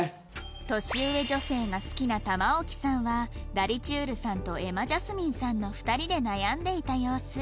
年上女性が好きな玉置さんはダリちゅーるさんと瑛茉ジャスミンさんの２人で悩んでいた様子